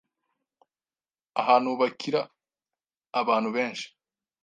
ahantu bakira abantu benshi.